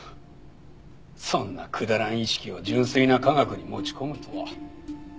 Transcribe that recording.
そんなくだらん意識を純粋な科学に持ち込むとは。